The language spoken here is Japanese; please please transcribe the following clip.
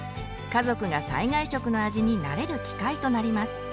家族が災害食の味に慣れる機会となります。